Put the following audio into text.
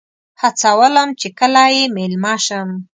هڅولم چې کله یې میلمه شم.